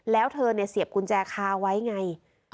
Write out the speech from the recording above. แล้วเธอเสียบกุญแจคาไว้ไง